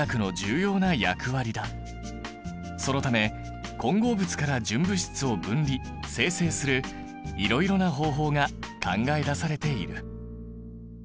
そのため混合物から純物質を分離・精製するいろいろな方法が考え出されている。